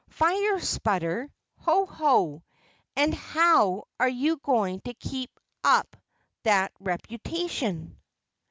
Fire spurter! Ho, ho! And HOW are you going to keep up that reputation?"